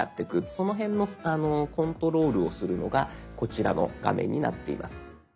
その辺のコントロールをするのがこちらの画面になっています。